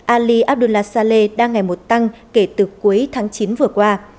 ali abdullah sale đang ngày một tăng kể từ cuối tháng chín vừa qua